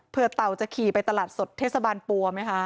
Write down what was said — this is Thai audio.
เพื่อเต่าจะขี่ไปตลาดสดเทศบาลปัวไหมคะ